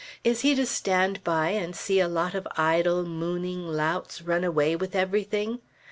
Is he to stand by, and see a lot of idle mooning louts run away with everything?